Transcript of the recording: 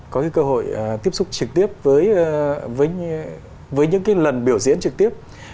có cái cơ hội tiếp xúc trực tiếp với những lần biểu diễn trực tiếp